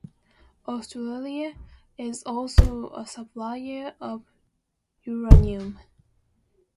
Australia is also a supplier of uranium.